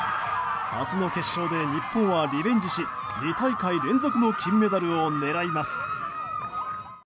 明日の決勝で、日本はリベンジし２大会連続の金メダルを狙います。